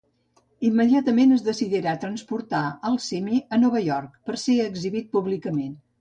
Immediatament es decidirà transportar al simi a Nova York, per a ser exhibit públicament.